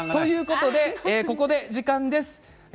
ここで時間です。